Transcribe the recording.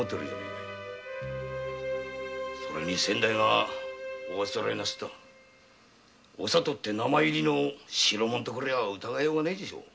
それに先代がおあつらえなすったお里って名前入りの代物とくりゃ疑いようもねぇでしょう。